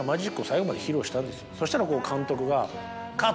そしたら監督が。